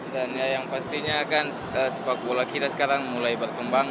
dan yang pastinya kan sepak bola kita sekarang mulai berkembang